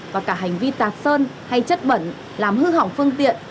và cả hành vi tạc sơn hay chất bẩn làm hư hỏng phương tiện